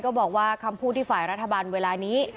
บอกว่าคำพูดที่ฝ่ายรัฐบาลเวลานี้